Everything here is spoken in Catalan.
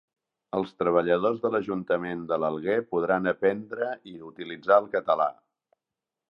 Els treballadors de l'Ajuntament de l'Alguer podran aprendre i utilitzar el català